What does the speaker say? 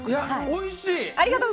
おいしい！